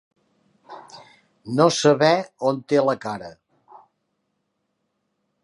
No saber on té la cara.